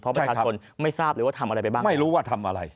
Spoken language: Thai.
เพราะประชาชนไม่ทราบเลยว่าทำอะไรไปบ้าง